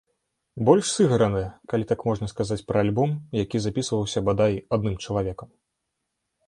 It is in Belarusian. Больш сыграны, калі так можна сказаць пра альбом, які запісваўся бадай адным чалавекам.